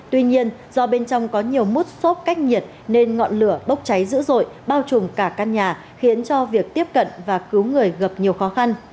tuy nhiên do bên trong có nhiều mút xốp cách nhiệt nên ngọn lửa bốc cháy dữ dội bao trùm cả căn nhà khiến cho việc tiếp cận và cứu người gặp nhiều khó khăn